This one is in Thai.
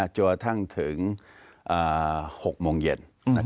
จอทั้งถึง๖โมงเย็น